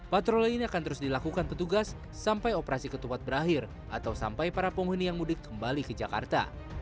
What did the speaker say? patroli ini akan terus dilakukan petugas sampai operasi ketupat berakhir atau sampai para penghuni yang mudik kembali ke jakarta